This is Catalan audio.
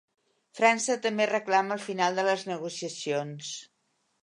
França també reclama el final de les negociacions.